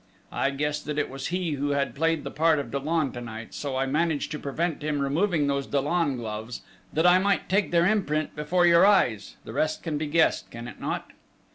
I guessed that it was he who had played the part of Dollon to night, so I managed to prevent him removing those Dollon gloves, that I might take their imprint before your eyes the rest can be guessed, can it not?...